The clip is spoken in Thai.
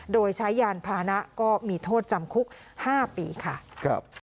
โดยใช้ยานพานะก็มีโทษจำคุก๕ปีค่ะ